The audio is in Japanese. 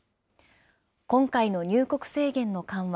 今回の入国制限の緩和。